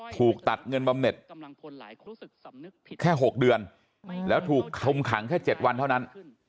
ถูกตัดเงินบำเน็ตแค่๖เดือนแล้วถูกคมขังแค่๗วันเท่านั้น